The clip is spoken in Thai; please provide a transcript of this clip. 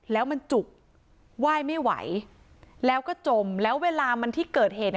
แล้วมันจุกไหว้ไม่ไหวแล้วก็จมแล้วเวลามันที่เกิดเหตุเนี่ย